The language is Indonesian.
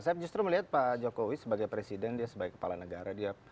saya justru melihat pak jokowi sebagai presiden dia sebagai kepala negara